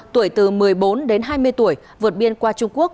tuổi từ một mươi bốn đến hai mươi tuổi vượt biên qua trung quốc